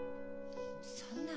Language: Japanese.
そんな。